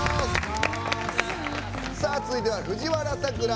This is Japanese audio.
続いては藤原さくら。